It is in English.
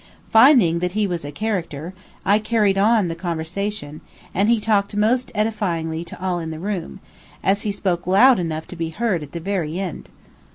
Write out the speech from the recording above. Finding that he was a character, I carried on the conversation; and he talked most edifyingly to all in the room, as he spoke loud enough to be heard at the very end.